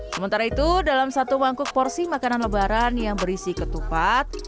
sementara itu dalam satu mangkuk porsi makanan lebaran yang berisi ketupat